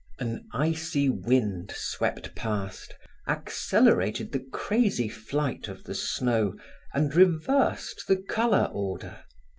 An icy wind swept past, accelerated the crazy flight of the snow, and reversed the color order.